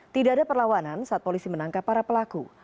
tidak ada perlawanan saat polisi menangkap para pelaku